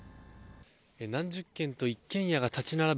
何十軒と一軒家が立ち並ぶ